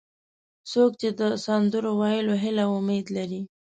څوک چې د سندرو ویلو هیله او امید لري.